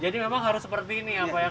jadi memang harus seperti ini ya pak